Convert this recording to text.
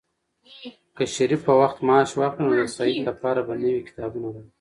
که شریف په وخت معاش واخلي، نو د سعید لپاره به نوي کتابونه راوړي.